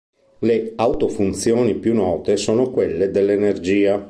Le autofunzioni più note sono quelle dell'energia.